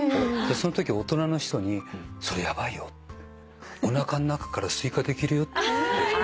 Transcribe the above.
そのとき大人の人に「それヤバいよ」「おなかの中からスイカできるよ」